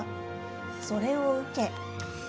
それを受け。